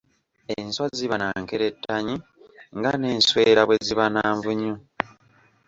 Enswa ziba na nkerettanyi nga n'enswera bwe ziba na nvunyu.